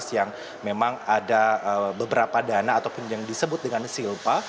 yang memang ada beberapa dana ataupun yang disebut dengan silpa